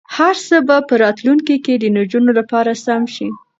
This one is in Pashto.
هر څه به په راتلونکي کې د نجونو لپاره سم شي.